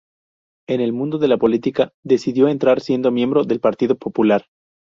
En el mundo de la política decidió entrar siendo miembro del Partido Popular.